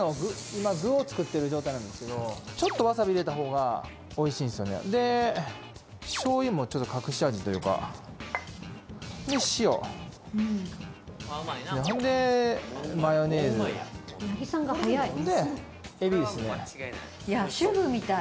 今具を作ってる状態なんですけどちょっとわさび入れた方がおいしいんですよねで醤油もちょっと隠し味というかで塩ほんでマヨネーズ八木さんが早いでエビですねいや主婦みたい！